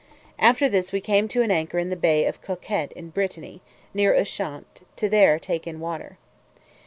After this we came to an anchor in the bay of Conquet in Brittany, near Ushant, there to take in water.